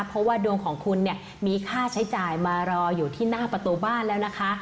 เพราะว่าดวงของคุณเนี่ยมีค่าใช้จ่ายมารออยู่ที่หน้าประตูบ้านแล้วนะคะ